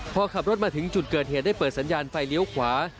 พอขับรถมาถึงจุดเกิดเหตุได้เปิดสัญญาณไฟเลี้ยวขวา